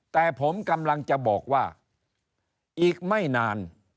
แต่ผมกำลังจะบอกว่าอีกไม่นาน